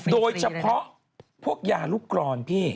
โดยเฉพาะพวกยาลูกกรอนพี่